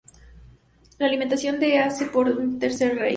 La alimentación de hace por un tercer rail.